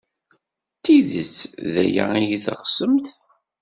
D tidet d aya ay teɣsemt?